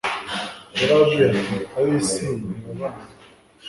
Yarababwiye ati "Ab'isi ntibabanga,